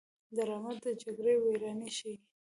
ډرامه د جګړې ویرانۍ ښيي